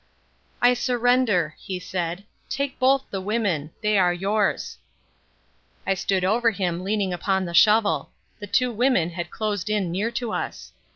"I surrender," he said. "Take both the women. They are yours." I stood over him leaning upon the shovel. The two women had closed in near to us.